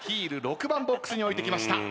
「Ｈｅｅｌ」６番ボックスに置いてきました。